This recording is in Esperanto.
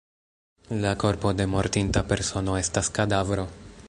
La korpo de mortinta persono estas kadavro.